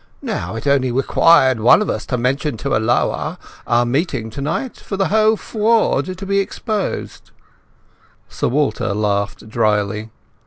Now it only required one of us to mention to Alloa our meeting tonight for the whole fraud to be exposed." Sir Walter laughed dryly.